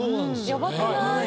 やばくない？